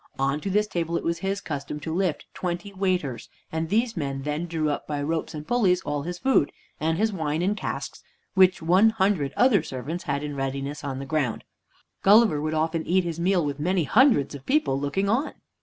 On to this table it was his custom to lift twenty waiters, and these men then drew up by ropes and pulleys all his food, and his wine in casks, which one hundred other servants had in readiness on the ground. Gulliver would often eat his meal with many hundreds of people looking on.